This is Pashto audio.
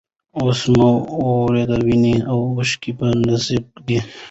اوس مو اور، ویني او اوښکي په نصیب دي